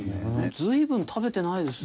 随分食べてない。